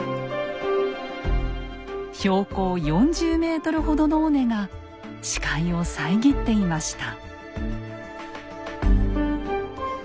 標高４０ｍほどの尾根が視界を遮っていました。